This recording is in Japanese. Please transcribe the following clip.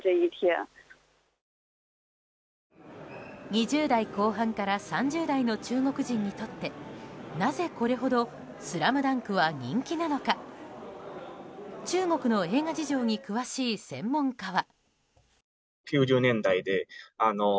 ２０代後半から３０代の中国人にとってなぜこれほど「ＳＬＡＭＤＵＮＫ」は人気なのか中国の映画事情に詳しい専門家は。